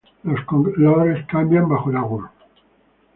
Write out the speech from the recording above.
Los colores cambian bajo el agua.